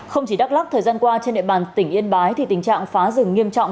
không chỉ đắk lắc thời gian qua trên địa bàn tỉnh yên bái thì tình trạng phá rừng nghiêm trọng